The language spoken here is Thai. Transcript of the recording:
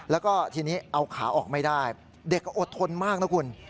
แล้วก็ทีนี้เอาขาออกไม่ได้เด็กก็อดทนมากนะคุณ